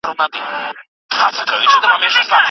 خلګ د جرګي د خبرونو څنګه خبریږي؟